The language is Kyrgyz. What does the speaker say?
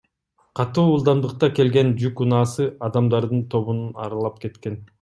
Катуу ылдамдыкта келген жүк унаасы адамдардын тобун аралап кеткен.